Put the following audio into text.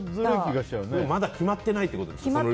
まだ決まっていないってことですね。